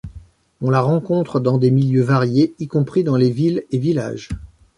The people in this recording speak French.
On la rencontre dans des milieux variés, y compris dans les villes et villages.